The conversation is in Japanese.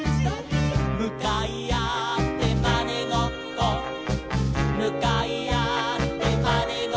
「むかいあってまねごっこ」「むかいあってまねごっこ」